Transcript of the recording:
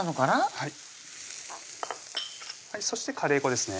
はいそしてカレー粉ですね